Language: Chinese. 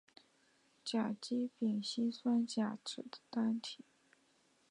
甲基丙烯酸甲酯的单体。